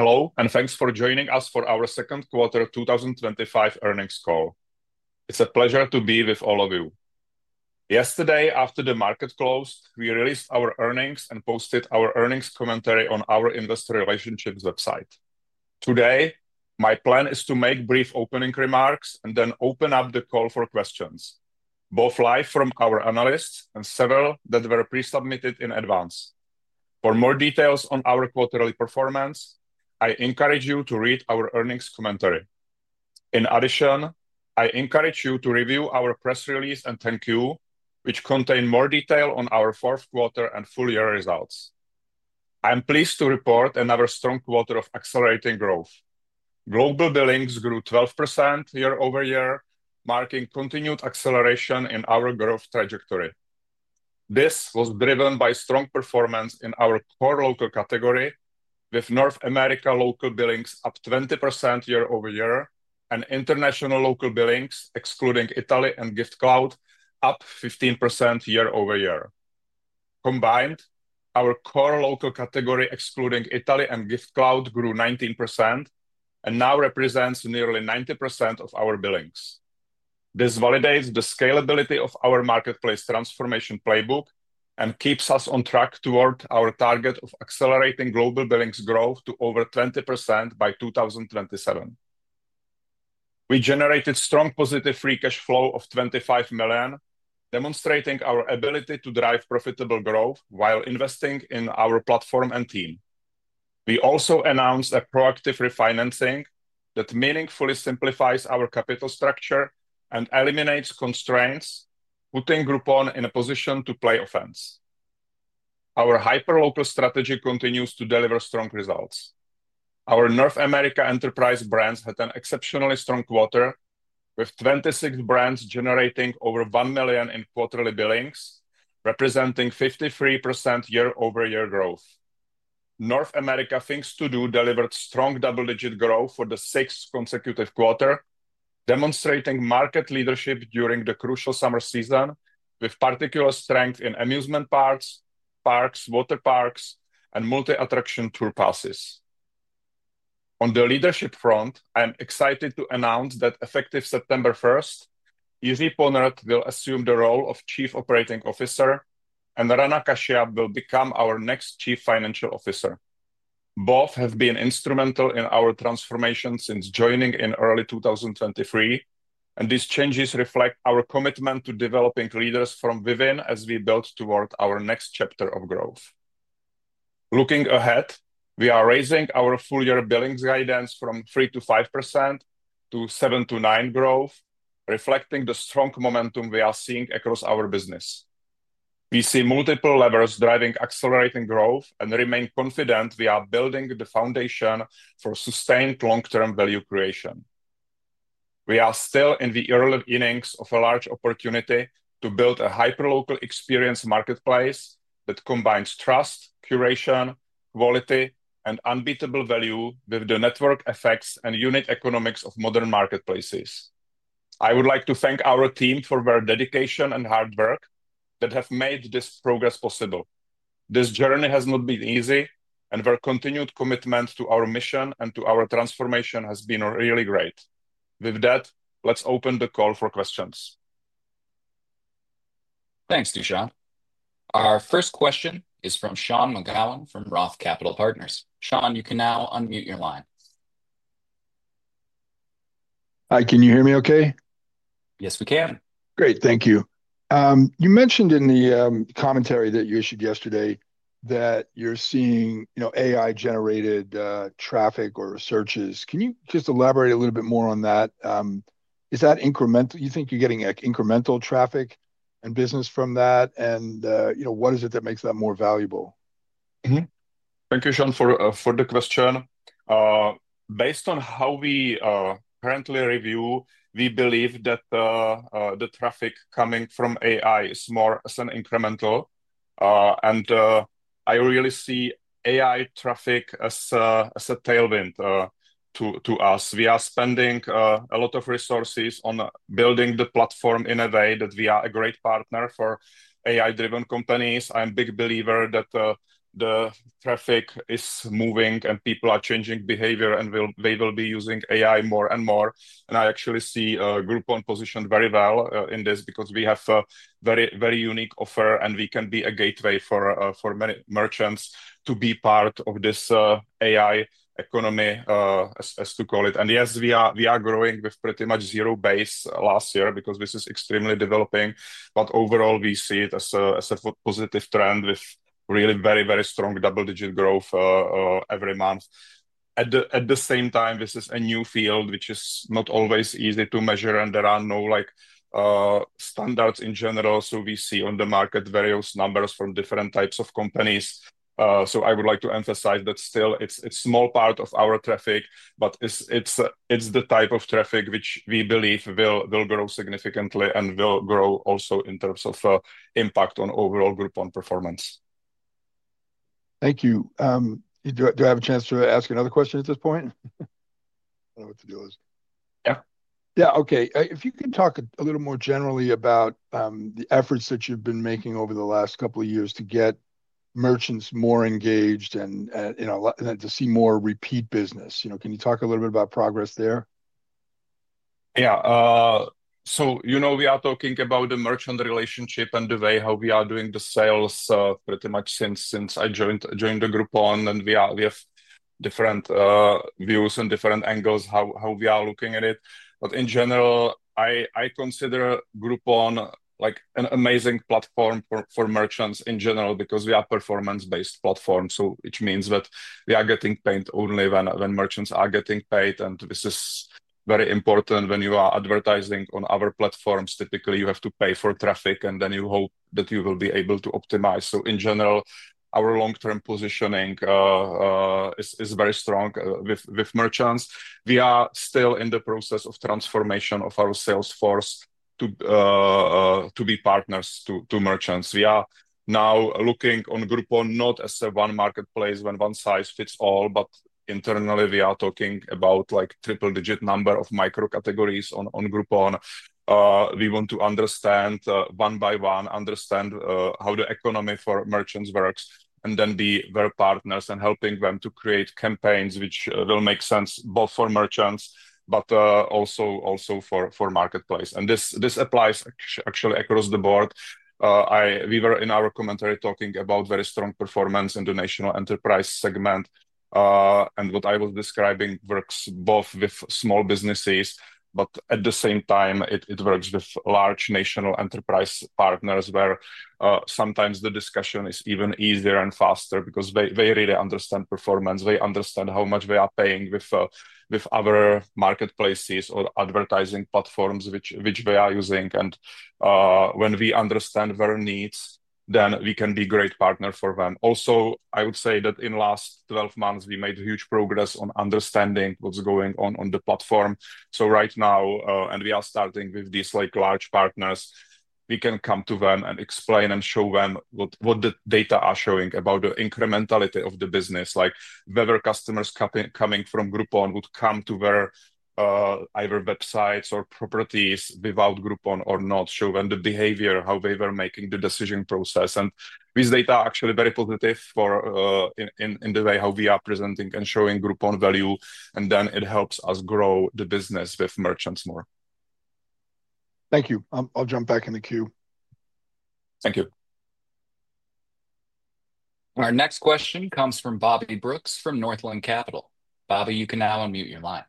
Hello and thanks for joining us for our second quarter 2025 earnings call. It's a pleasure to be with all of you. Yesterday, after the market closed, we released our earnings and posted our earnings commentary on our investor relations website. Today, my plan is to make brief opening remarks and then open up the call for questions, both live from our analysts and several that were pre-submitted in advance. For more details on our quarterly performance, I encourage you to read our earnings commentary. In addition, I encourage you to review our press release, which contains more detail on our fourth quarter and full-year results. I am pleased to report another strong quarter of accelerating growth. Global billings grew 12% year-over-year, marking continued acceleration in our growth trajectory. This was driven by strong performance in our core local category, with North America local billings up 20% year-over-year and international local billings, excluding Italy and Giftcloud, up 15% year-over-year. Combined, our core local category, excluding Italy and Giftcloud, grew 19% and now represents nearly 90% of our billings. This validates the scalability of our marketplace transformation playbook and keeps us on track toward our target of accelerating global billings growth to over 20% by 2027. We generated strong positive free cash flow of $25 million, demonstrating our ability to drive profitable growth while investing in our platform and team. We also announced a proactive refinancing that meaningfully simplifies our capital structure and eliminates constraints, putting Groupon in a position to play offense. Our hyperlocal strategy continues to deliver strong results. Our North America enterprise brands had an exceptionally strong quarter, with 26 brands generating over $1 million in quarterly billings, representing 53% year-over-year growth. North America things to do delivered strong double-digit growth for the sixth consecutive quarter, demonstrating market leadership during the crucial summer season, with particular strength in amusement parks, parks, water parks, and multi-attraction tour passes. On the leadership front, I am excited to announce that effective September 1st, Jiri Ponrt will assume the role of Chief Operating Officer, and Rana Kashyap will become our next Chief Financial Officer. Both have been instrumental in our transformation since joining in early 2023, and these changes reflect our commitment to developing leaders from within as we build toward our next chapter of growth. Looking ahead, we are raising our full-year billings guidance from 3%-5% to 7%-9% growth, reflecting the strong momentum we are seeing across our business. We see multiple levers driving accelerating growth and remain confident we are building the foundation for sustained long-term value creation. We are still in the early innings of a large opportunity to build a hyperlocal experience marketplace that combines trust, curation, quality, and unbeatable value with the network effects and unit economics of modern marketplaces. I would like to thank our team for their dedication and hard work that have made this progress possible. This journey has not been easy, and their continued commitment to our mission and to our transformation has been really great. With that, let's open the call for questions. Thanks, Dušan. Our first question is from Sean McGowan from ROTH Capital Partners. Sean, you can now unmute your line. Hi, can you hear me okay? Yes, we can. Great, thank you. You mentioned in the commentary that you issued yesterday that you're seeing AI-generated traffic or searches. Can you just elaborate a little bit more on that? Is that incremental? You think you're getting incremental traffic and business from that, and what is it that makes that more valuable? Thank you, Sean, for the question. Based on how we currently review, we believe that the traffic coming from AI is more incremental, and I really see AI traffic as a tailwind to us. We are spending a lot of resources on building the platform in a way that we are a great partner for AI-driven companies. I'm a big believer that the traffic is moving and people are changing behavior, and they will be using AI more and more. I actually see Groupon positioned very well in this because we have a very, very unique offer, and we can be a gateway for many merchants to be part of this AI economy, as to call it. Yes, we are growing with pretty much zero base last year because this is extremely developing. Overall, we see it as a positive trend with really very, very strong double-digit growth every month. At the same time, this is a new field which is not always easy to measure, and there are no standards in general. We see on the market various numbers from different types of companies. I would like to emphasize that still it's a small part of our traffic, but it's the type of traffic which we believe will grow significantly and will grow also in terms of impact on overall Groupon performance. Thank you. Do I have a chance to ask another question at this point? I don't know what the deal is. Yeah. Okay. If you could talk a little more generally about the efforts that you've been making over the last couple of years to get merchants more engaged and, you know, and then to see more repeat business. You know, can you talk a little bit about progress there? Yeah. You know, we are talking about the merchant relationship and the way how we are doing the sales pretty much since I joined Groupon. We have different views and different angles how we are looking at it. In general, I consider Groupon like an amazing platform for merchants in general because we are a performance-based platform. It means that we are getting paid only when merchants are getting paid. This is very important when you are advertising on our platforms. Typically, you have to pay for traffic, and then you hope that you will be able to optimize. In general, our long-term positioning is very strong with merchants. We are still in the process of transformation of our sales force to be partners to merchants. We are now looking on Groupon not as one marketplace when one size fits all, but internally we are talking about like triple-digit number of micro-categories on Groupon. We want to understand one by one, understand how the economy for merchants works, and then be their partners and helping them to create campaigns which will make sense both for merchants, but also for marketplace. This applies actually across the board. We were in our commentary talking about very strong performance in the national enterprise segment. What I was describing works both with small businesses, but at the same time, it works with large national enterprise partners where sometimes the discussion is even easier and faster because they really understand performance. They understand how much they are paying with other marketplaces or advertising platforms which they are using. When we understand their needs, then we can be a great partner for them. Also, I would say that in the last 12 months, we made huge progress on understanding what's going on on the platform. Right now, and we are starting with these like large partners, we can come to them and explain and show them what the data are showing about the incrementality of the business, like whether customers coming from Groupon would come to their either websites or properties without Groupon or not, show them the behavior, how they were making the decision process. These data are actually very positive in the way how we are presenting and showing Groupon value. It helps us grow the business with merchants more. Thank you. I'll jump back in the queue. Thank you. Our next question comes from Robert Brooks from Northland Capital Markets. Robert, you can now unmute your line.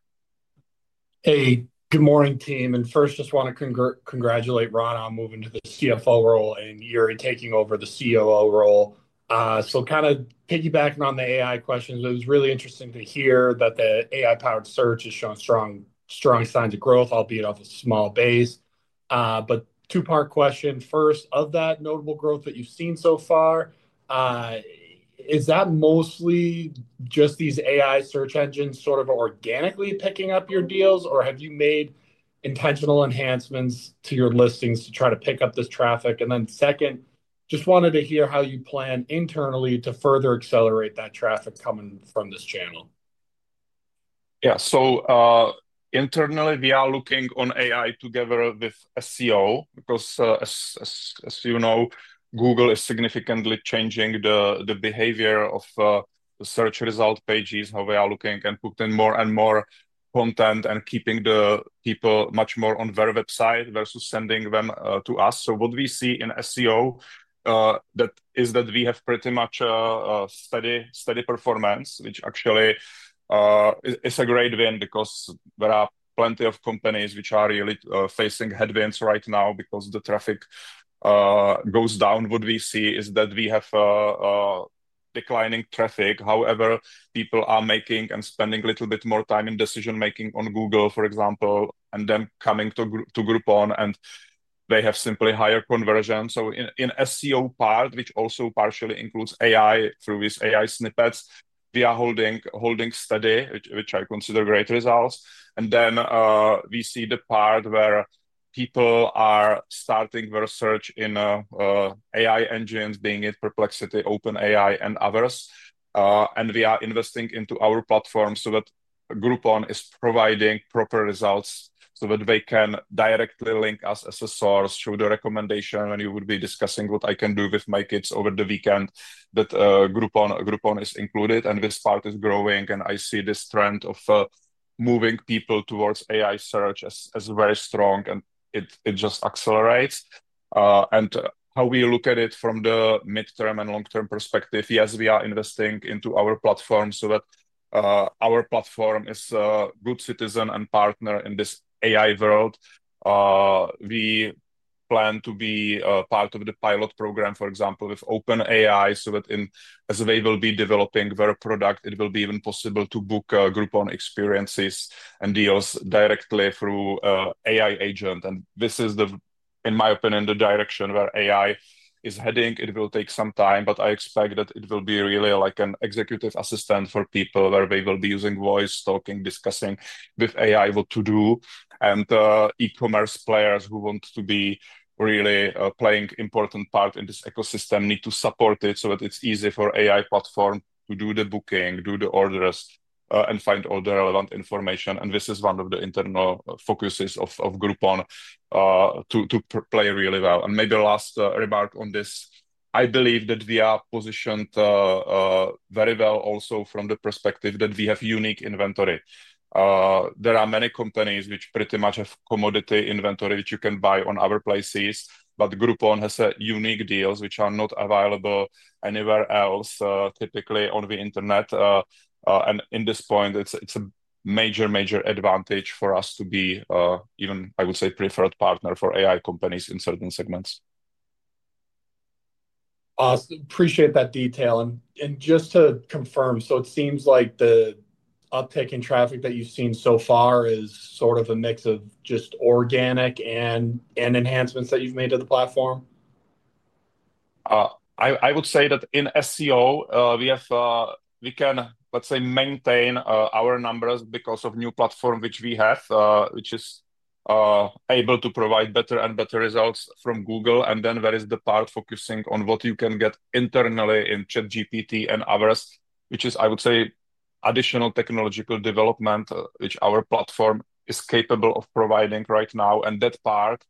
Hey, good morning, team. First, I just want to congratulate Rana on moving to the CFO role and Jiri Ponrt taking over the COO role. Kind of piggybacking on the AI questions, it was really interesting to hear that the AI-powered search has shown strong, strong signs of growth, albeit off a small base. Two-part question. First, of that notable growth that you've seen so far, is that mostly just these AI search engines sort of organically picking up your deals, or have you made intentional enhancements to your listings to try to pick up this traffic? Second, just wanted to hear how you plan internally to further accelerate that traffic coming from this channel. Yeah, internally, we are looking on AI together with SEO because, as you know, Google is significantly changing the behavior of the search result pages, how we are looking and putting more and more content and keeping the people much more on their website versus sending them to us. What we see in SEO is that we have pretty much steady performance, which actually is a great win because there are plenty of companies which are really facing headwinds right now because the traffic goes down. What we see is that we have declining traffic. However, people are making and spending a little bit more time in decision-making on Google, for example, and then coming to Groupon, and they have simply higher conversion. In the SEO part, which also partially includes AI through these AI snippets, we are holding steady, which I consider great results. We see the part where people are starting their search in AI engines, being it Perplexity, OpenAI, and others. We are investing into our platform so that Groupon is providing proper results so that they can directly link us as a source, show the recommendation when you would be discussing what I can do with my kids over the weekend, that Groupon is included. This part is growing, and I see this trend of moving people towards AI search as very strong, and it just accelerates. How we look at it from the mid-term and long-term perspective, yes, we are investing into our platform so that our platform is a good citizen and partner in this AI world. We plan to be part of the pilot program, for example, with OpenAI, so that as they will be developing their product, it will be even possible to book Groupon experiences and deals directly through AI agents. This is, in my opinion, the direction where AI is heading. It will take some time, but I expect that it will be really like an executive assistant for people where they will be using voice, talking, discussing with AI what to do. E-commerce players who want to be really playing an important part in this ecosystem need to support it so that it's easy for AI platform to do the booking, do the orders, and find all the relevant information. This is one of the internal focuses of Groupon to play really well. Maybe last remark on this, I believe that we are positioned very well also from the perspective that we have unique inventory. There are many companies which pretty much have commodity inventory which you can buy on other places, but Groupon has unique deals which are not available anywhere else, typically on the internet. At this point, it's a major, major advantage for us to be, even, I would say, a preferred partner for AI companies in certain segments. Appreciate that detail. Just to confirm, it seems like the uptick in traffic that you've seen so far is sort of a mix of just organic and enhancements that you've made to the platform. I would say that in SEO, we can maintain our numbers because of the new platform which we have, which is able to provide better and better results from Google. There is the part focusing on what you can get internally in ChatGPT and others, which is, I would say, additional technological development which our platform is capable of providing right now. That part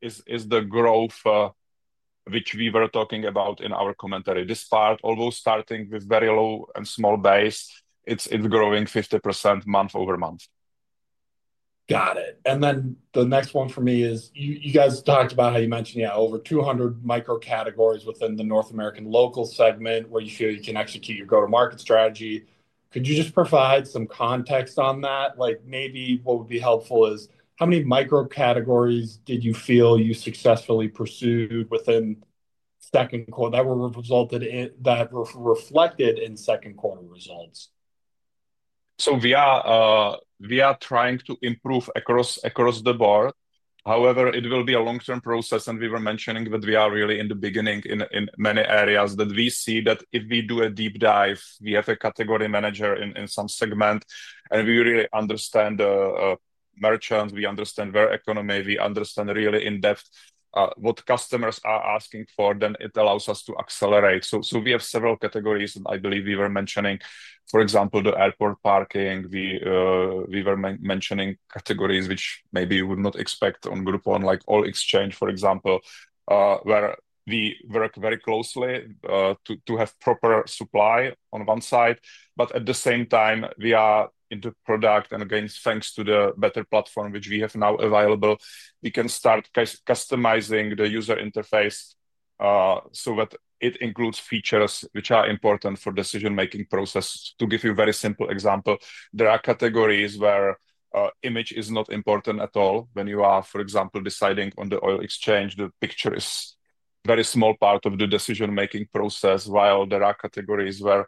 is the growth which we were talking about in our commentary. This part, although starting with a very low and small base, it's growing 50% month-over-month. Got it. The next one for me is, you guys talked about how you mentioned, yeah, over 200 micro-categories within the North American local segment where you feel you can execute your go-to-market strategy. Could you just provide some context on that? Like maybe what would be helpful is how many micro-categories did you feel you successfully pursued within second quarter that were reflected in second quarter results? We are trying to improve across the board. However, it will be a long-term process. We were mentioning that we are really in the beginning in many areas. If we do a deep dive, we have a category manager in some segment, and we really understand the merchants, we understand their economy, we understand really in depth what customers are asking for, then it allows us to accelerate. We have several categories that I believe we were mentioning. For example, the airport parking. We were mentioning categories which maybe you would not expect on Groupon, like oil exchange, for example, where we work very closely to have proper supply on one side. At the same time, we are in the product, and again, thanks to the better platform which we have now available, we can start customizing the user interface so that it includes features which are important for the decision-making process. To give you a very simple example, there are categories where the image is not important at all. When you are, for example, deciding on the oil exchange, the picture is a very small part of the decision-making process, while there are categories where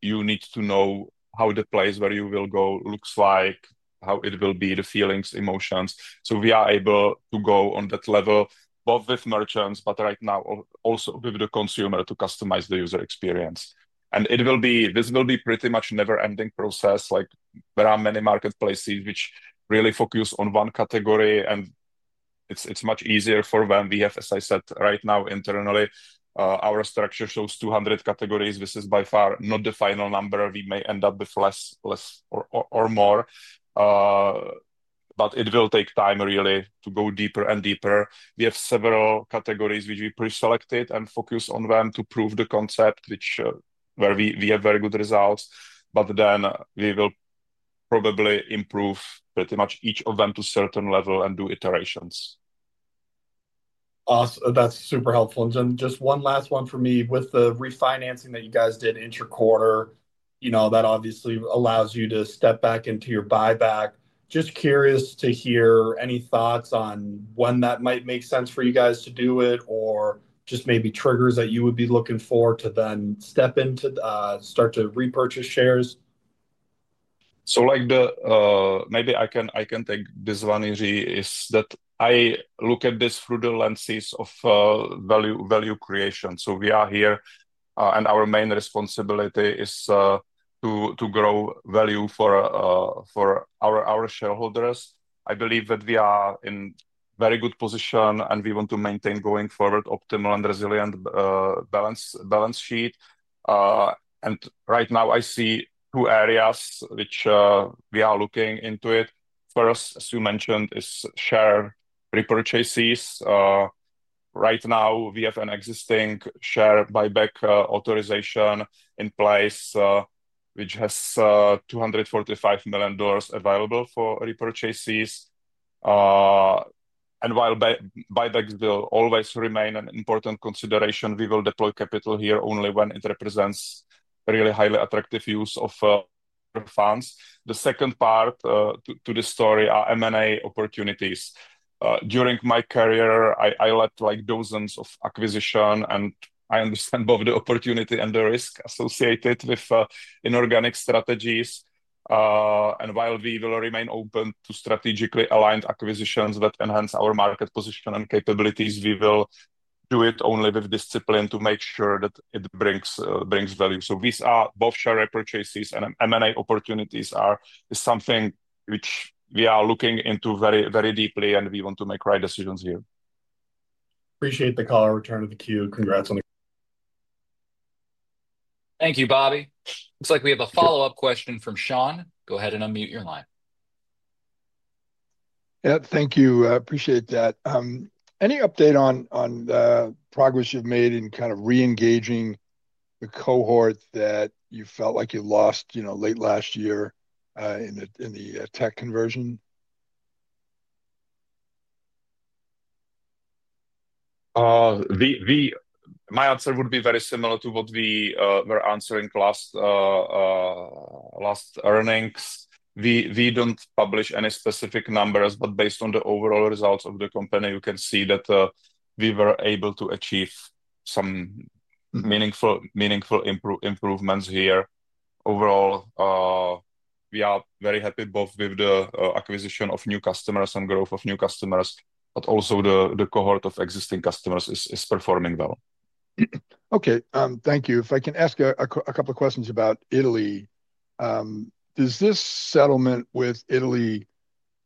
you need to know how the place where you will go looks like, how it will be, the feelings, emotions. We are able to go on that level both with merchants, but right now also with the consumer to customize the user experience. This will be pretty much a never-ending process. There are many marketplaces which really focus on one category, and it's much easier for when we have, as I said, right now internally, our structure shows 200 categories. This is by far not the final number. We may end up with less or more, but it will take time really to go deeper and deeper. We have several categories which we pre-selected and focus on them to prove the concept, where we have very good results, but then we will probably improve pretty much each of them to a certain level and do iterations. Awesome. That's super helpful. Just one last one for me, with the refinancing that you guys did interquarter, that obviously allows you to step back into your buyback. Just curious to hear any thoughts on when that might make sense for you guys to do it or maybe triggers that you would be looking for to then step in to start to repurchase shares. Maybe I can take this one, Jiri, I look at this through the lenses of value creation. We are here, and our main responsibility is to grow value for our shareholders. I believe that we are in a very good position, and we want to maintain going forward an optimal and resilient balance sheet. Right now, I see two areas which we are looking into. First, as you mentioned, is share repurchases. Right now, we have an existing share buyback authorization in place, which has $245 million available for repurchases. While buybacks will always remain an important consideration, we will deploy capital here only when it represents a really highly attractive use of our funds. The second part to the story is M&A opportunities. During my career, I led dozens of acquisitions, and I understand both the opportunity and the risk associated with inorganic strategies. While we will remain open to strategically aligned acquisitions that enhance our market position and capabilities, we will do it only with discipline to make sure that it brings value. Both share repurchases and M&A opportunities are something which we are looking into very deeply, and we want to make the right decisions here. Appreciate the call. I'll return to the queue. Congrats on the call. Thank you, Bobby. Looks like we have a follow-up question from Sean. Go ahead and unmute your line. Thank you. I appreciate that. Any update on the progress you've made in kind of re-engaging the cohort that you felt like you lost late last year in the tech conversion? My answer would be very similar to what we were answering last earnings. We don't publish any specific numbers, but based on the overall results of the company, you can see that we were able to achieve some meaningful improvements here. Overall, we are very happy both with the acquisition of new customers and growth of new customers, but also the cohort of existing customers is performing well. Okay, thank you. If I can ask a couple of questions about Italy, does this settlement with Italy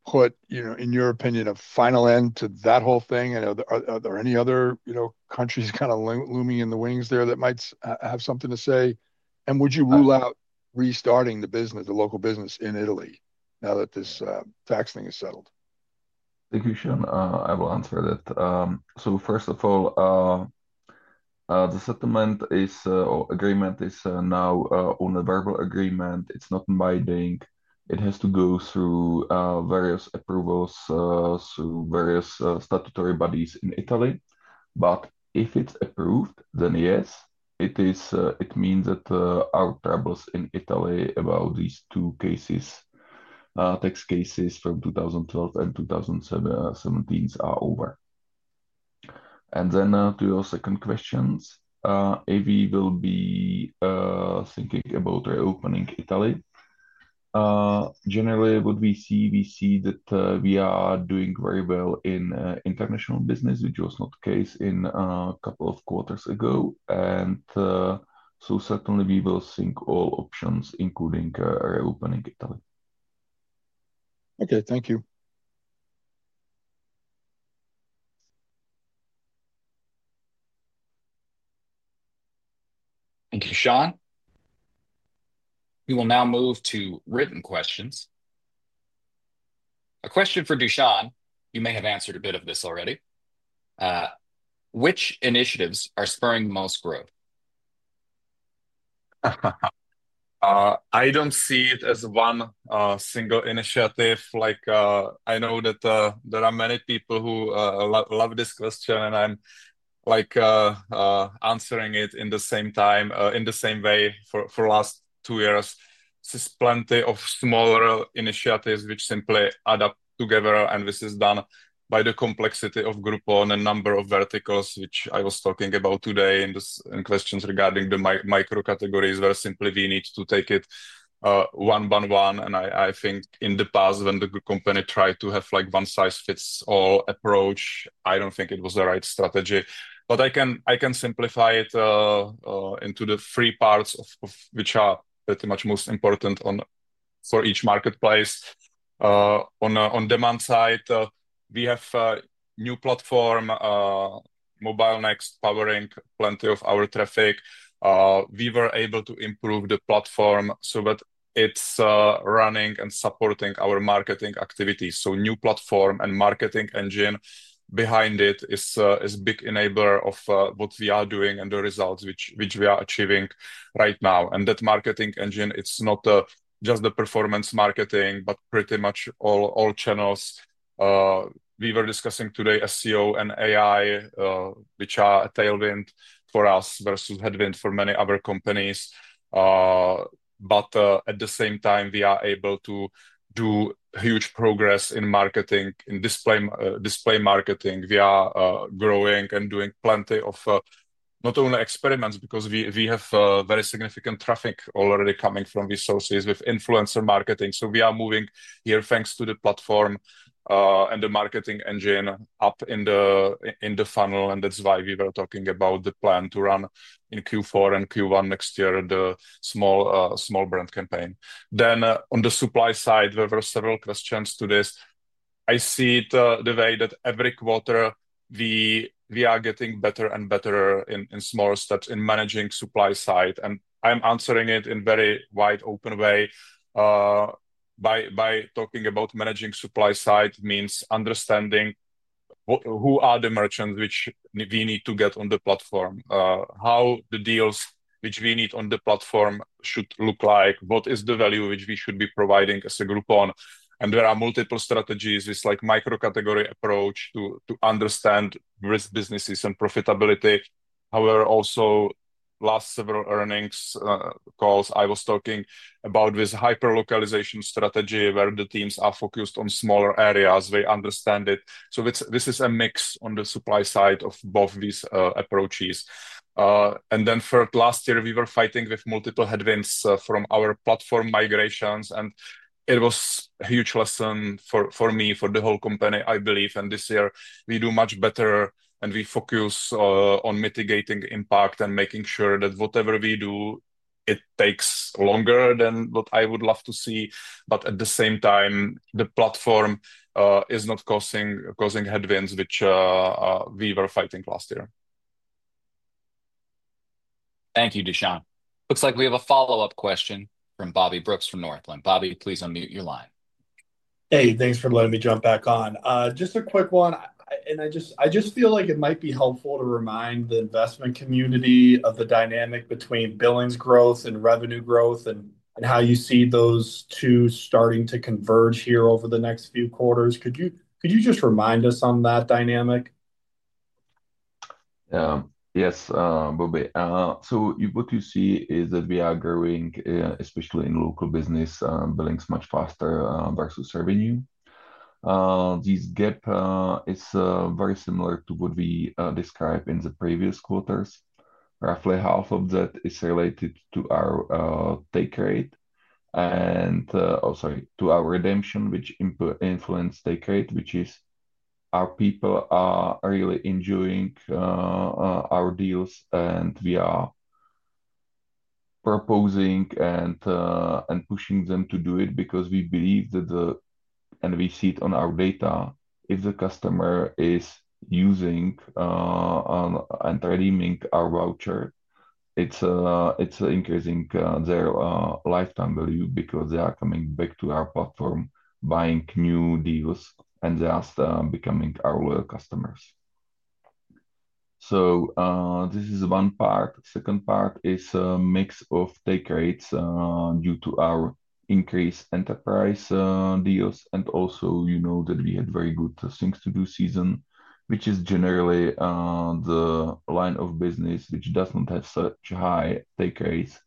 put, you know, in your opinion, a final end to that whole thing? Are there any other, you know, countries kind of looming in the wings there that might have something to say? Would you rule out restarting the business, the local business in Italy now that this tax thing is settled? Thank you, Sean. I will answer that. First of all, the settlement agreement is now on a verbal agreement. It's not in writing. It has to go through various approvals through various statutory bodies in Italy. If it's approved, then yes, it means that our troubles in Italy about these two cases, tax cases from 2012 and 2017, are over. To your second question, if we will be thinking about reopening Italy, generally, what we see is that we are doing very well in international business, which was not the case a couple of quarters ago. Certainly, we will think all options, including reopening Italy. Okay, thank you. Thank you, Sean. We will now move to written questions. A question for Dušan. You may have answered a bit of this already. Which initiatives are spurring the most growth? I don't see it as one single initiative. I know that there are many people who love this question, and I'm answering it in the same way for the last two years. This is plenty of smaller initiatives which simply add up together, and this is done by the complexity of Groupon and the number of verticals which I was talking about today in questions regarding the micro-categories where simply we need to take it one by one. I think in the past, when the company tried to have a one-size-fits-all approach, I don't think it was the right strategy. I can simplify it into the three parts which are pretty much most important for each marketplace. On the demand side, we have a new platform, Mobile Next, powering plenty of our traffic. We were able to improve the platform so that it's running and supporting our marketing activities. The new platform and marketing engine behind it is a big enabler of what we are doing and the results which we are achieving right now. That marketing engine, it's not just the performance marketing, but pretty much all channels. We were discussing today SEO and AI, which are a tailwind for us versus headwind for many other companies. At the same time, we are able to do huge progress in marketing, in display marketing. We are growing and doing plenty of not only experiments because we have very significant traffic already coming from resources with influencer marketing. We are moving here, thanks to the platform and the marketing engine, up in the funnel. That's why we were talking about the plan to run in Q4 and Q1 next year, the small brand campaign. On the supply side, there were several questions to this. I see it the way that every quarter we are getting better and better in smaller steps in managing the supply side. I'm answering it in a very wide open way. By talking about managing the supply side means understanding who are the merchants which we need to get on the platform, how the deals which we need on the platform should look like, what is the value which we should be providing as a Groupon. There are multiple strategies with a micro-category approach to understand risk businesses and profitability. However, also the last several earnings calls, I was talking about this hyperlocalization strategy where the teams are focused on smaller areas. They understand it. This is a mix on the supply side of both these approaches. Last year, we were fighting with multiple headwinds from our platform migrations, and it was a huge lesson for me, for the whole company, I believe. This year, we do much better, and we focus on mitigating impact and making sure that whatever we do, it takes longer than what I would love to see. At the same time, the platform is not causing headwinds which we were fighting last year. Thank you, Dušan. Looks like we have a follow-up question from Robert Brooks from Northland Capital Markets. Robert, please unmute your line. Hey, thanks for letting me jump back on. Just a quick one, I just feel like it might be helpful to remind the investment community of the dynamic between billings growth and revenue growth and how you see those two starting to converge here over the next few quarters. Could you just remind us on that dynamic? Yes, Robert. What you see is that we are growing, especially in local business, billings much faster versus revenue. This gap is very similar to what we described in the previous quarters. Roughly half of that is related to our take rate and, sorry, to our redemption, which influences take rate, which is our people are really enjoying our deals, and we are proposing and pushing them to do it because we believe that, and we see it on our data, if the customer is using and redeeming our voucher, it's increasing their lifetime value because they are coming back to our platform, buying new deals, and they are becoming our loyal customers. This is one part. The second part is a mix of take rates due to our increased enterprise deals, and also, you know that we had very good things to do season, which is generally the line of business which does not have such high take rates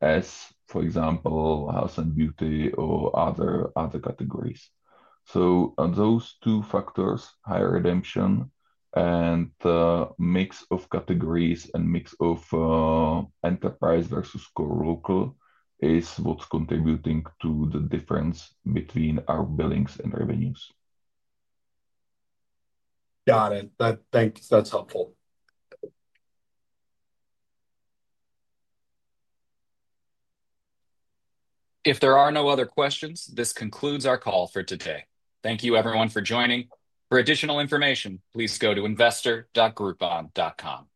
as, for example, home services and beauty or other categories. Those two factors, higher redemption and a mix of categories and a mix of enterprise versus core local, is what's contributing to the difference between our billings and revenues. Got it. Thanks. That's helpful. If there are no other questions, this concludes our call for today. Thank you, everyone, for joining. For additional information, please go to investor.groupon.com.